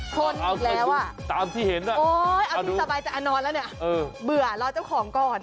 คนอีกแล้วอ่ะโอ๊ยเอาจริงสบายจากอนอนแล้วนี่บื่อรอเจ้าของก่อน